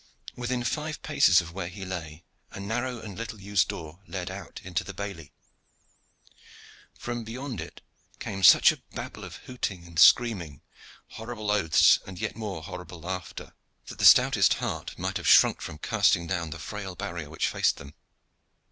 Within five paces of where he lay a narrow and little used door led out into the bailey. From beyond it came such a Babel of hooting and screaming, horrible oaths and yet more horrible laughter, that the stoutest heart might have shrunk from casting down the frail barrier which faced them.